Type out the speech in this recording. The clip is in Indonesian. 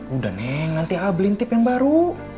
udah neng nanti ablin tip yang baru